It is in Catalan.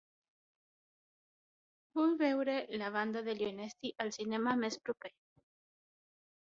Vull veure "La banda degli onesti" al cinema més proper.